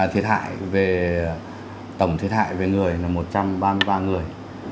thiệt hại về tổng thiệt hại về người là một trăm ba mươi ba người